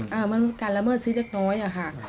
มันเหมือนการละเมิดสิทธิ์เล็กค่ะ